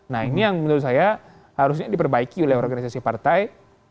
nah ini yang menurut saya harusnya diperbaiki oleh organisasi partai